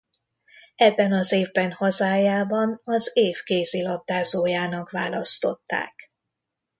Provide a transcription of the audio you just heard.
Ebben az évben hazájában az év kézilabdázójának választották.